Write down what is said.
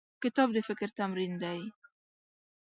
کتاب د فکر تمرین دی.